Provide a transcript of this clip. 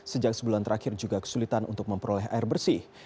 sejak sebulan terakhir juga kesulitan untuk memperoleh air bersih